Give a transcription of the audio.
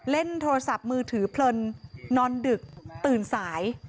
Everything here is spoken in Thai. เล่นโทรศัพท์มือถือเพลินนอนดึกตื่นสาย